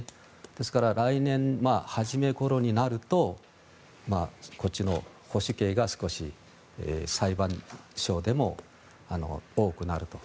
ですから来年初めごろになるとこっちの保守系が少し裁判所でも多くなると。